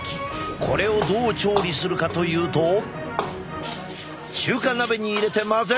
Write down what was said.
これをどう調理するかというと中華鍋に入れて混ぜる。